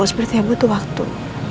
aku sepertinya butuh waktu